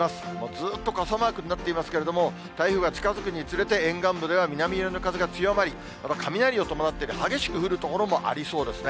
ずーっと傘マークになっていますけれども、台風が近づくにつれて、沿岸部では南寄りの風が強まり、また雷を伴って、激しく降る所もありそうですね。